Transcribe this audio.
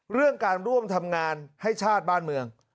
เรื่องการร่วมทำงานให้ชาติบ้านเมือง